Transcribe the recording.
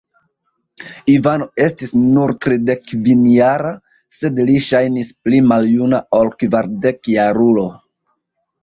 Ivano estis nur tridekkvinjara, sed li ŝajnis pli maljuna ol kvardekjarulo.